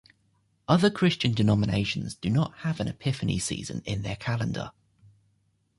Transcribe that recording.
Other Christian denominations do not have an Epiphany season in their kalendar.